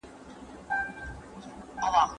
زه به اوږده موده کتاب ليکلی وم!!